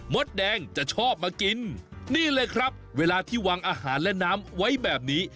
ดแดงจะชอบมากินนี่เลยครับเวลาที่วางอาหารและน้ำไว้แบบนี้